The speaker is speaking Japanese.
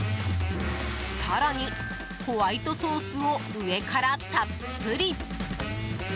更に、ホワイトソースを上からたっぷり。